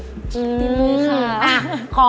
ทีมือค่ะ